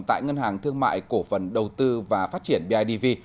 tại ngân hàng thương mại cổ phần đầu tư và phát triển bidv